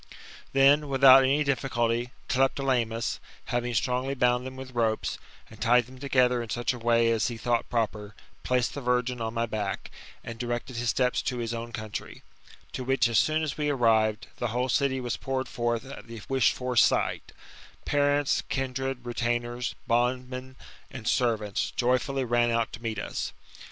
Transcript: Then, without any difficulty, Tlepolemus, having strongly bound them with ropes, and tied them together in such a way as he thought proper, placed the virgin on my back, and directed his steps to his own country; to which as soon as we arrived, the whole city was poured forth at the wished for sight Parents, kindred, retainers, bondmen, and servants, joyfully ran out to meet us.